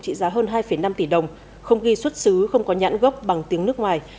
trị giá hơn hai năm tỷ đồng không ghi xuất xứ không có nhãn gốc bằng tiếng nước ngoài